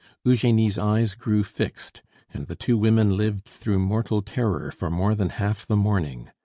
Eugenie's eyes grew fixed, and the two women lived through mortal terror for more than half the morning.